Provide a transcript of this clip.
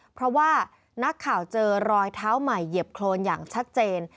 เพราะว่านักข่าวเจอรอยเท้าใหม่เหยียบโครนอย่างชัดเจน